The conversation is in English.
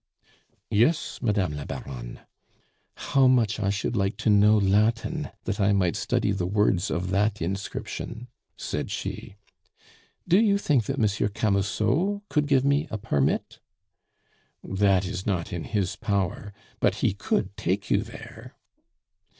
"Yes, Madame la Baronne." "How much I should like to know Latin that I might study the words of that inscription!" said she. "Do you think that Monsieur Camusot could give me a permit?" "That is not in his power; but he could take you there."